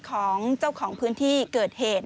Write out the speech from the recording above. ของเจ้าของพื้นที่เกิดเหตุ